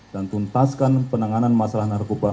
dan tuntaskan penanganan masalah narkoba